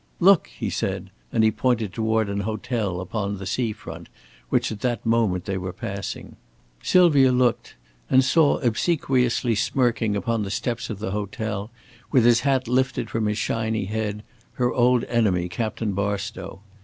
"Look!" he said, and he pointed toward an hotel upon the sea front which at that moment they were passing. Sylvia looked, and saw obsequiously smirking upon the steps of the hotel, with his hat lifted from his shiny head, her old enemy, Captain Barstow.